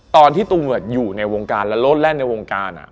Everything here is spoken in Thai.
ตอนที่ตุงอยู่ในวงการแล้วโลดแล่นในวงการ